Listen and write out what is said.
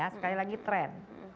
sekali lagi tren